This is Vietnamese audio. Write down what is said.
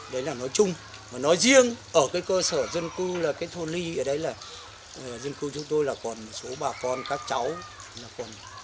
đấy là nói chung nói riêng ở cơ sở dân cư là cái thôn ly ở đấy là dân cư chúng tôi là còn một số bà con các cháu